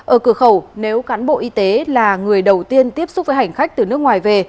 ở cửa khẩu nếu cán bộ y tế là người đầu tiên tiếp xúc với hành khách từ nước ngoài về